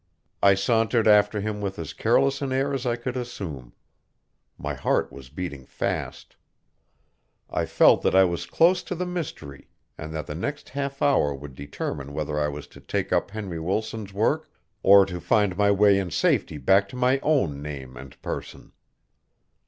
I sauntered after him with as careless an air as I could assume. My heart was beating fast. I felt that I was close to the mystery and that the next half hour would determine whether I was to take up Henry Wilton's work or to find my way in safety back to my own name and person.